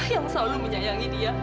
yang selalu menyayangi dia